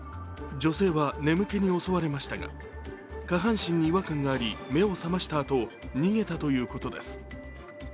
女性は眠気に襲われましたが下半身に違和感があり目を覚ましたあと、逃げたということです。